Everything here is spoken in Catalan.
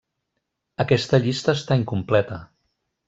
Aquesta llista està incompleta.